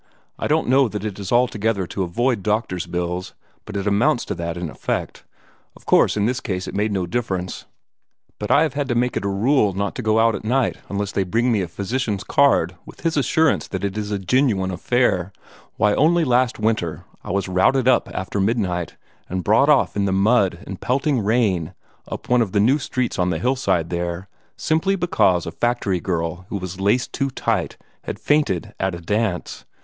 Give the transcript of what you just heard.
I don't know that it is altogether to avoid doctor's bills, but it amounts to that in effect. Of course in this case it made no difference; but I have had to make it a rule not to go out at night unless they bring me a physician's card with his assurance that it is a genuine affair. Why, only last winter, I was routed up after midnight, and brought off in the mud and pelting rain up one of the new streets on the hillside there, simply because a factory girl who was laced too tight had fainted at a dance.